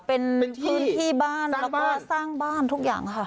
เป็นพื้นที่บ้านแล้วก็สร้างบ้านทุกอย่างค่ะ